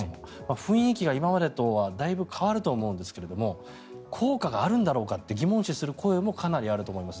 雰囲気が今までとはだいぶ変わると思うんですが効果があるんだろうかと疑問視する声もかなりあると思います。